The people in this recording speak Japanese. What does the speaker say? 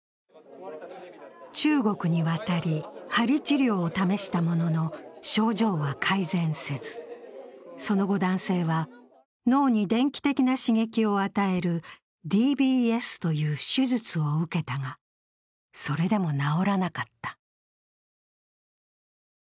中国に渡り、針治療を試したものの症状は改善せず、その後、男性は脳に電気的な刺激を与えるＤＢＳという手術を受けたがそれでも治らなかった。